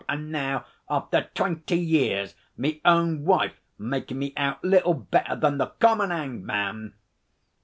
An' now, after twenty years, me own wife makin' me out little better than the common 'angman!'